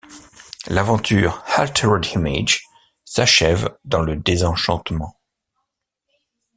L'aventure Altered Images s'achève dans le désenchantement.